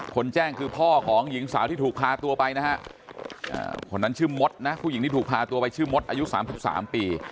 แจ้งคือพ่อของหญิงสาวที่ถูกพาตัวไปนะฮะคนนั้นชื่อมดนะผู้หญิงที่ถูกพาตัวไปชื่อมดอายุ๓๓ปี